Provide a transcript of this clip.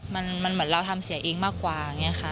มันเหมือนเราทำเสียเองมากกว่า